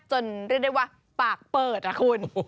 เรียกได้ว่าปากเปิดอะคุณ